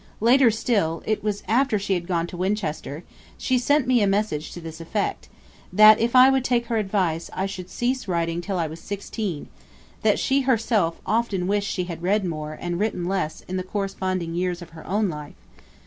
Later still it was after she had gone to Winchester she sent me a message to this effect, that if I would take her advice I should cease writing till I was sixteen; that she had herself often wished she had read more, and written less in the corresponding years of her own life.'